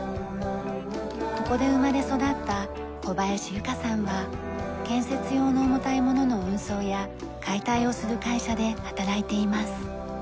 ここで生まれ育った小林由佳さんは建設用の重たいものの運送や解体をする会社で働いています。